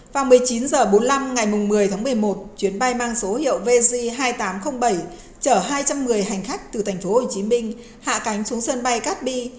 vào một mươi chín h bốn mươi năm ngày một mươi tháng một mươi một chuyến bay mang số hiệu vz hai nghìn tám trăm linh bảy chở hai trăm một mươi hành khách từ tp hcm hạ cánh xuống sân bay cát bi